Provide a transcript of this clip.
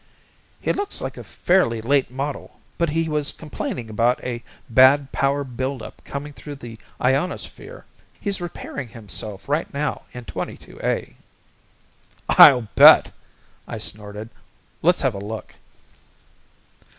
"He looks like a fairly late model but he was complaining about a bad power build up coming through the ionosphere. He's repairing himself right now in 22A." "I'll bet," I snorted. "Let's have a look."